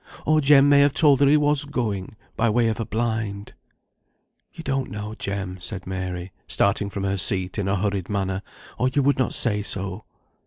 Or Jem may have told her he was going, by way of a blind." "You don't know Jem," said Mary, starting from her seat in a hurried manner, "or you would not say so."